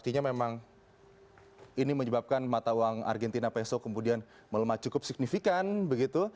artinya memang ini menyebabkan mata uang argentina peso kemudian melemah cukup signifikan begitu